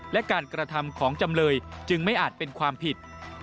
และการกระทำของจำเลยจึงไม่อาจเป็นความผิด